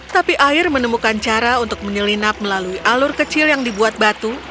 tapi air menemukan cara untuk menyelinap melalui alur kecil yang dibuat batu